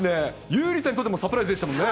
ゆうりさんにとっても、サプライズですね。